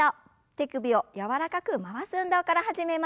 手首を柔らかく回す運動から始めます。